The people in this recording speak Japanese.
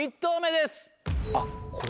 あっこれ